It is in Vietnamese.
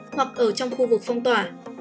hoặc ở trong khu vực phong tỏa